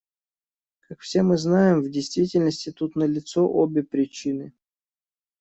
Как все мы знаем, в действительности тут налицо обе причины.